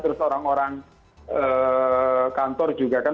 terus orang orang kantor juga kan